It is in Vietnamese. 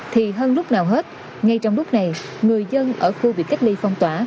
thì hơn lúc nào hết ngay trong lúc này người dân ở khu vực cách ly phong tỏa